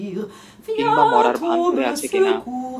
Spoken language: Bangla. কিংবা মরার ভান ধরে আছে কিনা।